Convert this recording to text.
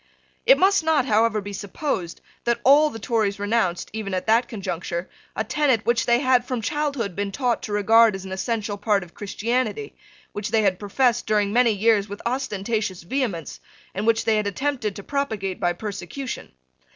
It must not, however, be supposed that all the Tories renounced, even at that conjuncture, a tenet which they had from childhood been taught to regard as an essential part of Christianity, which they had professed during many years with ostentatious vehemence, and which they had attempted to propagate by persecution.